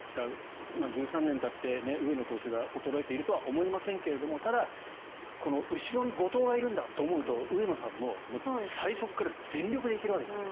１３年たって上野投手が衰えているとは思いませんがただ、この後ろに後藤がいるんだと思うと上野さんも最初から全力で行けるわけですね。